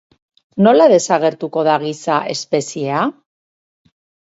Nola desagertuko da giza espeziea?